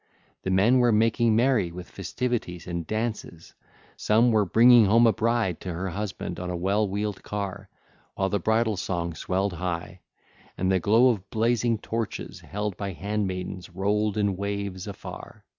The men were making merry with festivities and dances; some were bringing home a bride to her husband on a well wheeled car, while the bridal song swelled high, and the glow of blazing torches held by handmaidens rolled in waves afar.